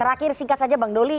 terakhir singkat saja bang doli